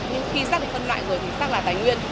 nhưng khi rác được phân loại rồi thì rác là tài nguyên